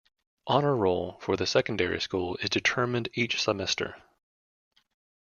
Honour Roll for the secondary school is determined each semester.